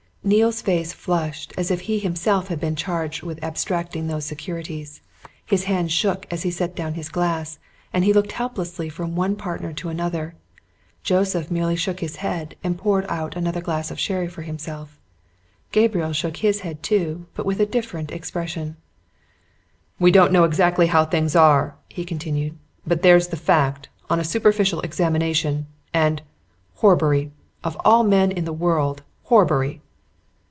Neale's face flushed as if he himself had been charged with abstracting those securities. His hand shook as he set down his glass, and he looked helplessly from one partner to another. Joseph merely shook his head, and poured out another glass of sherry for himself: Gabriel shook his head, too, but with a different expression. "We don't know exactly how things are," he continued. "But there's the fact on a superficial examination. And Horbury! Of all men in the world, Horbury!"